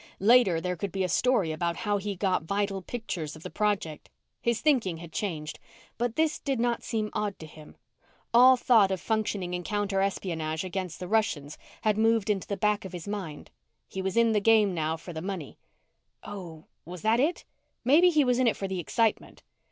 Later, there could be a story about how he got vital pictures of the project. His thinking had changed, but this did not seem odd to him. All thought of functioning in counterespionage against the Russians had moved into the back of his mind. He was in the game now for the money. Oh was it that? Maybe he was in it for the excitement.